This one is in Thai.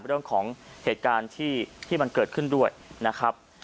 เรื่องของเหตุการณ์ที่มันเกิดขึ้นด้วยนะครับ